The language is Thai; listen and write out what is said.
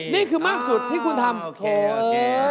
นี่คือมากสุดที่คุณทำโอเคโอเค